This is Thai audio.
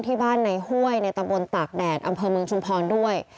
ที่บ้านในห้วยในตำบลตากแดดอำเภอเมืองชุมพรด้วย